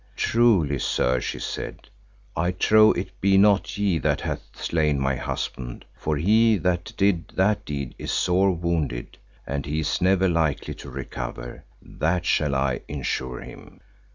Truly, sir, she said, I trow it be not ye that hath slain my husband, for he that did that deed is sore wounded, and he is never likely to recover, that shall I ensure him.